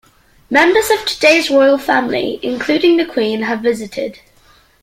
Members of today's Royal Family, including the Queen, have visited.